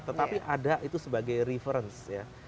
tetapi ada itu sebagai reference ya